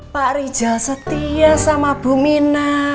pak rijal setia sama bumina